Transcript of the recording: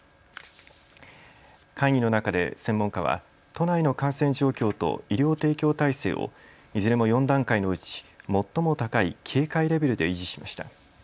会議の中で専門家は都内の感染状況と医療提供体制をいずれも４段階のうち最も高い警戒レベルで維持しました。